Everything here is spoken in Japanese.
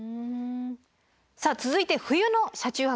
さあ続いて冬の車中泊。